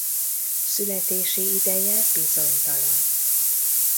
Születési ideje bizonytalan.